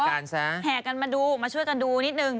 แห่กันมาดูมาช่วยกันดูนิดนึง